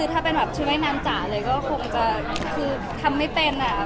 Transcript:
ถ้าเป็นชื่อว่ายน้ำจ๋าคงจะคือทำไม่เป็น